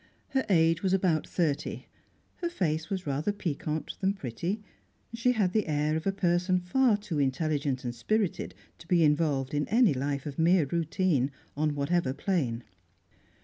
Her age was about thirty; her face was rather piquant than pretty; she had the air of a person far too intelligent and spirited to be involved in any life of mere routine, on whatever plane.